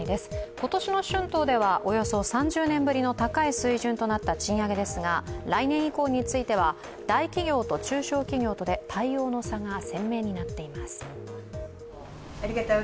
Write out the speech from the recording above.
今年の春闘ではおよそ３０年ぶりの高い水準となった賃上げですが来年以降については大企業と中小企業とで対応の差が鮮明になっています。